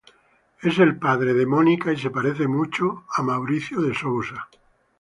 Es el padre de la Mônica, y se parece mucho con Maurício de Sousa.